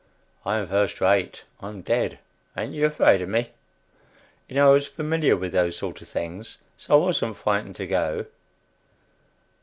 ] I'm first rate. I'm dead; ain't you afraid of me? You know I was familiar with those sort of things, so I wasn't frightened to go.